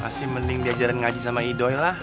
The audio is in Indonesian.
masih mending diajarin ngaji sama idoilah